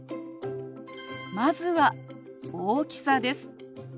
まずは大きさです。